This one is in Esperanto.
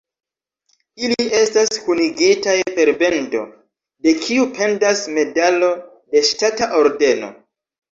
Ili estas kunigitaj per bendo, de kiu pendas medalo de ŝtata ordeno.